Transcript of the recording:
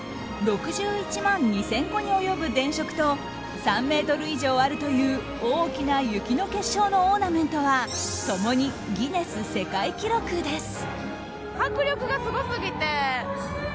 ６１万２０００個に及ぶ電飾と３ｍ以上あるという大きな雪の結晶のオーナメントは共にギネス世界記録です。